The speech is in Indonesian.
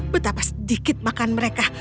betapa sedikit makan mereka